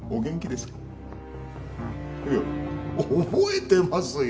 いや覚えてますよ